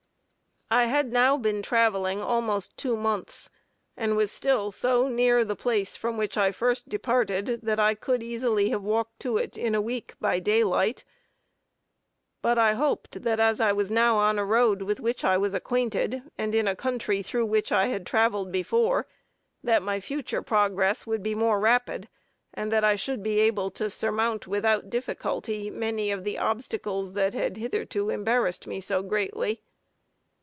I had now been traveling almost two months, and was still so near the place from which I first departed that I could easily have walked to it in a week, by daylight; but I hoped, that as I was now on a road with which I was acquainted, and in a country through which I had traveled before, that my future progress would be more rapid, and that I should be able to surmount, without difficulty, many of the obstacles that had hitherto embarrassed me so greatly.